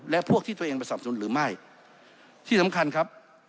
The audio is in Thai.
และพวกที่ตัวเองไปสับสนุนหรือไม่ที่สำคัญครับ